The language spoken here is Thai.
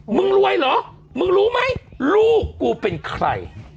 มึงรวยเหรอมึงรู้ไหมลูกกูเป็นใคร